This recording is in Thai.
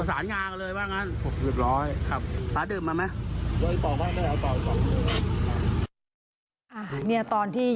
อ๋อเข้ามาทางตรงป่าเลี้ยวเข้าซอย